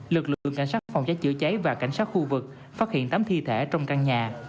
lực lượng cảnh sát phòng cháy chữa cháy và cảnh sát khu vực phát hiện tám thi thể trong căn nhà